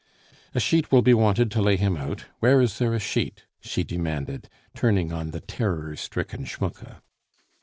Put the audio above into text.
"A sheet will be wanted to lay him out. Where is there a sheet?" she demanded, turning on the terror stricken Schmucke.